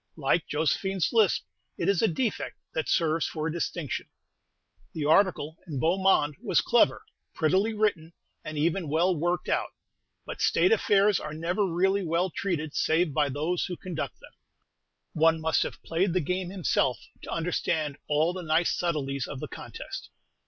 Like Josephine's lisp, it is a defect that serves for a distinction. The article in the "Beau Monde" was clever, prettily written, and even well worked out; but state affairs are never really well treated save by those who conduct them. One must have played the game himself to understand all the nice subtleties of the contest.